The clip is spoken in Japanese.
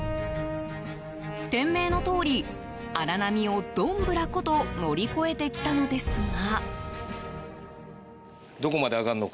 店名のとおり荒波をどんぶらこと乗り越えてきたのですが。